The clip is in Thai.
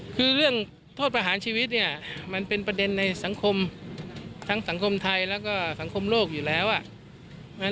ก็เดี๋ยวต้องดูกันอีกทีแล้วกัน